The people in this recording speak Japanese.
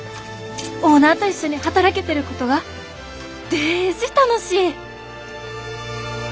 オーナーと一緒に働けてることがデージ楽しい！